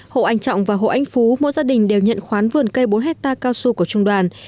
hộ anh trọng và hộ anh phú mỗi gia đình đều nhận khoán vườn cây bốn hectare cao su của trung đoàn